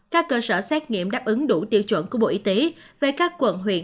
các cơ sở xét nghiệm đáp ứng đủ tiêu chuẩn của bộ y tế về các quận huyện